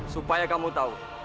supaya kamu tahu